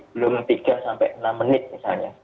belum tiga sampai enam menit misalnya